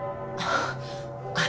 ああ。